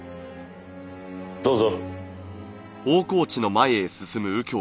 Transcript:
どうぞ。